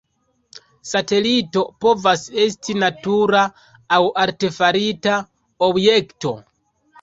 Satelito povas esti natura aŭ artefarita objekto.